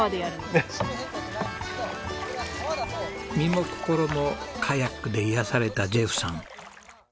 身も心もカヤックで癒やされたジェフさん。